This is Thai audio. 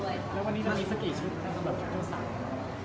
แล้ววันนี้จะมีสักกี่ชุดสำหรับผู้สั่ง